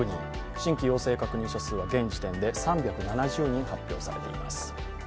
新規陽性確認者数は現時点で３７０人、発表されています。